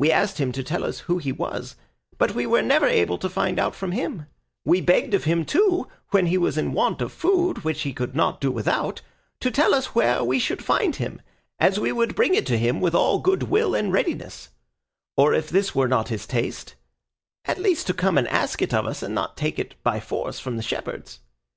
We asked him to tell us who he was, but we were never able to find out from him: we begged of him too, when he was in want of food, which he could not do without, to tell us where we should find him, as we would bring it to him with all good will and readiness; or if this were not to his taste, at least to come and ask it of us and not take it by force from the shepherds.